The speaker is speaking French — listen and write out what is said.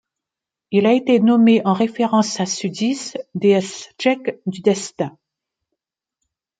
Il a été nommé en référence à Sudice, déesse tchèque du destin.